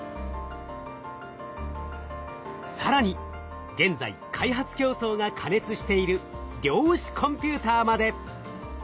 更に現在開発競争が過熱している量子コンピューターまで。